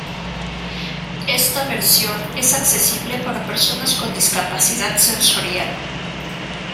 Esta versión es accesible para personas con discapacidad sensorial.